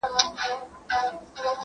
د بنو قينقاع غزا د څه لپاره وسوه؟